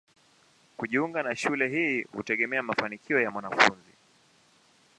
Kujiunga na shule hii hutegemea mafanikio ya mwanafunzi.